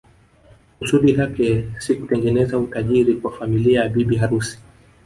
Kusudi lake si kutengeneza utajijri kwa familia ya bibi harusi